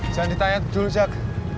jangan ditanya dulu zak